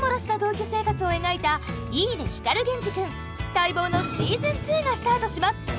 待望のしずん２がスタートします！